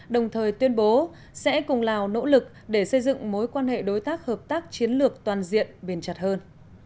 đồng thời tuyên bố sẽ cùng lào nỗ lực để xây dựng mối quan hệ đối tác hợp tác chiến lược toàn diện bền chặt hơn